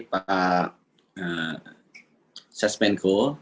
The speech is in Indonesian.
terima kasih pak sesmenko